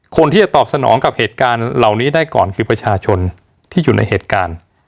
คนที่จะตอบสนองกับเหตุการณ์เหล่านี้ได้ก่อนคือประชาชนที่อยู่ในเหตุการณ์